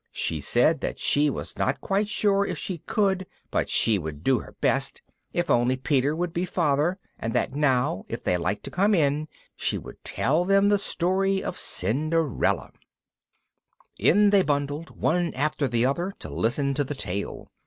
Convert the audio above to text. She said that she was not quite sure if she could, but she would do her best, if only Peter would be Father, and that now, if they liked to come in, she would tell them the story of Cinderella. [Illustration: THE LOST BOYS KNELT BEFORE HER.] In they bundled, one after the other, to listen to the tale.